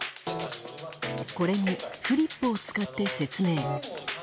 これにフリップを使って説明。